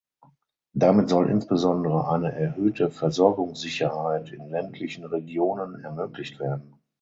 Damit soll insbesondere eine erhöhte Versorgungssicherheit in ländlichen Regionen ermöglicht werden.